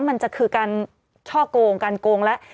มันจะคือการช่อกงการโกงแล้ว